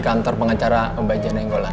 kantor pengacara mbak jana inggolan